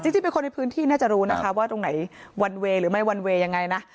จริงเป็นคนในพื้นที่น่าจะรู้นะคะว่าตรงไหนวันเวย์หรือไม่วันเวย์ยังไงนะ